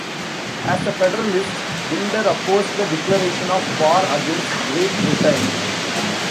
As a Federalist, Winder opposed the declaration of war against Great Britain.